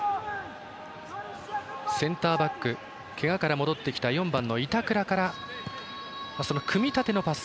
センターバックけがから戻ってきた４番の板倉から組み立てのパス。